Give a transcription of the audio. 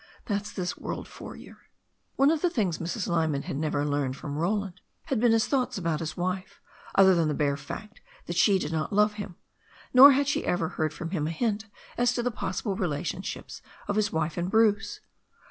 That's this world for yer I" One of the things Mrs. Lyman had never learned from Roland had been his thoughts about his wife, other than the bare fact that she did not love him, nor had she ever heard from him a hint as to the possible relations of his wife and Bruce.